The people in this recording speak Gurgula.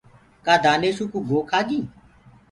ڪآ دآنشو ڪوُ گو کآگي۔